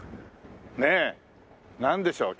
ねえなんでしょう？